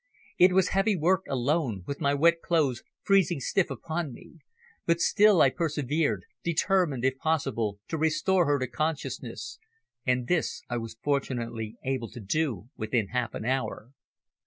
It was heavy work alone, with my wet clothes freezing stiff upon me, but still I persevered, determined, if possible, to restore her to consciousness, and this I was fortunately able to do within half an hour.